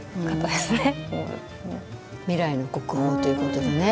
未来の国宝ということでね。